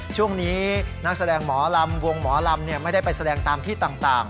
ช่วงนี้นักแสดงหมอลำวงหมอลำไม่ได้ไปแสดงตามที่ต่าง